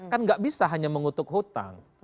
kan nggak bisa hanya mengutuk hutang